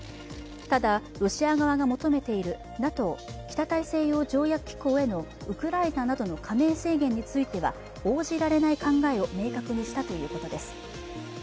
ただ、ロシア側が求めているＮＡＴＯ＝北大西洋条約機構へのウクライナなどの加盟制限については応じられない考えを明確にしたということです。